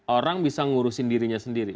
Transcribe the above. orang bisa ngurusin dirinya sendiri